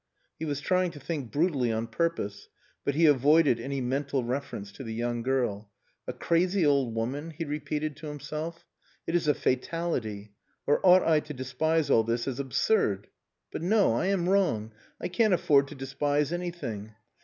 He was trying to think brutally on purpose, but he avoided any mental reference to the young girl. "A crazy old woman," he repeated to himself. "It is a fatality! Or ought I to despise all this as absurd? But no! I am wrong! I can't afford to despise anything.